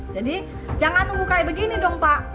jangan nunggu kayak begini dong pak